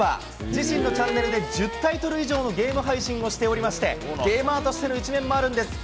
自身のチャンネルで１０タイトル以上のゲーム配信をしておりまして、ゲーマーとしての一面もあるんです。